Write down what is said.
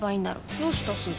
どうしたすず？